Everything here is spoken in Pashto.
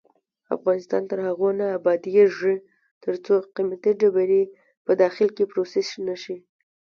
افغانستان تر هغو نه ابادیږي، ترڅو قیمتي ډبرې په داخل کې پروسس نشي.